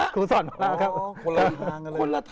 ครูสอนภาระ